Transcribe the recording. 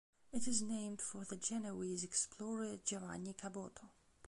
It is named for the Genoese explorer Giovanni Caboto.